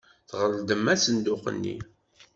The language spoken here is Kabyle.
Tɣeldem asenduq-nni.